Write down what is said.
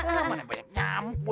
gimana banyak nyampu